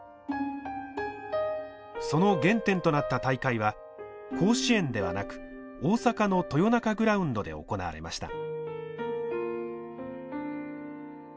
その原点となった大会は甲子園ではなく大阪の豊中グラウンドで行われました。